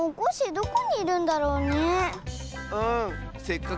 どこにいるんだろうね？